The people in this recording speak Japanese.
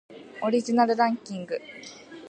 オリジナルランキング